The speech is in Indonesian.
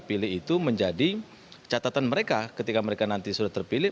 pilih itu menjadi catatan mereka ketika mereka nanti sudah terpilih